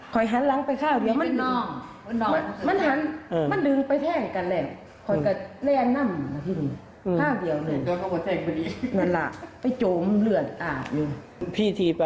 ที่นั่งกันเลยเพราะยังไงครับ